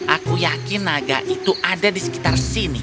aku yakin naga itu ada di sekitar sini